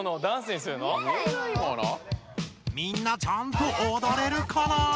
みんなちゃんとおどれるかな？